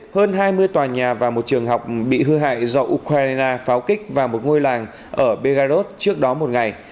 hơn hai mươi tòa nhà và một trường học bị hư hại do ukraine pháo kích vào một ngôi làng ở begarot trước đó một ngày